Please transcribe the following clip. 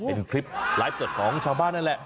เป็นคลิปไลฟ์สดของชาวบ้านนั่นแหละ